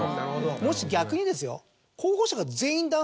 もし逆にですよ。